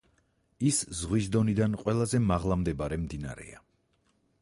ის ზღვის დონიდან ყველაზე მაღლა მდებარე მდინარეა.